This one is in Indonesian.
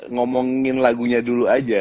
ngomongin lagunya dulu aja